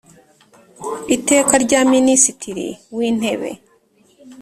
Iteka rya Ministiri w Intebe